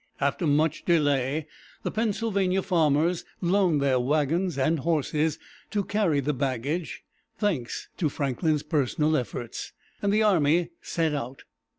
After much delay, the Pennsylvania farmers loaned their wagons and horses to carry the baggage, thanks to Franklin's personal efforts, and the army set out.